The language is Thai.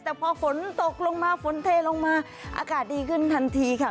แต่พอฝนตกลงมาฝนเทลงมาอากาศดีขึ้นทันทีค่ะ